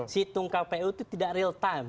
situng kpu itu tidak real time